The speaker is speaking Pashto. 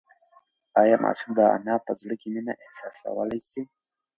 ایا ماشوم د انا په زړه کې مینه احساسولی شي؟